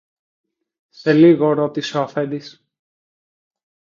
Σε λίγο ρώτησε ο αφέντης: